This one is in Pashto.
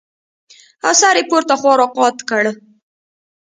او سر يې پورته خوا راقات کړ.